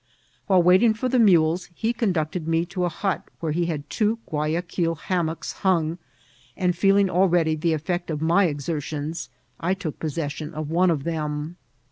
While waiting for the mules he conducted me to a hut where he had two Guayaquil hammocks hung, and feeling al ready the effect of my exertions, I took possession of one of them.